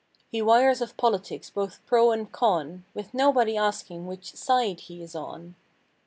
He wires of politics, both pro and con. With nobody asking which "side" he is on.